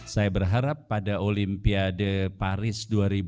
saya berharap pada olimpiade paris dua ribu dua puluh